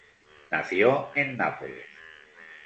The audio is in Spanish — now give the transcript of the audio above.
Nació en Nápoles.